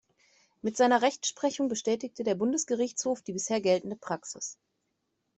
Mit seiner Rechtsprechung bestätigte der Bundesgerichtshof die bisher geltende Praxis.